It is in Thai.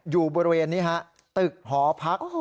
อยู่บริเวณนี้ฮะตึกหอพัก